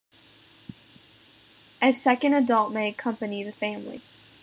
A second adult may accompany the family.